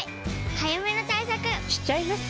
早めの対策しちゃいます。